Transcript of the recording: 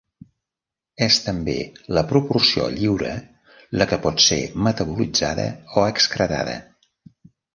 És també la proporció lliure la que pot ser metabolitzada o excretada.